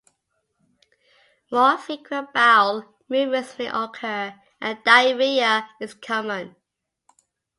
More frequent bowel movements may occur, and diarrhea is common.